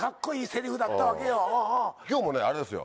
今日もあれですよ